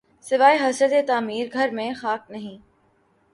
سواے حسرتِ تعمیر‘ گھر میں خاک نہیں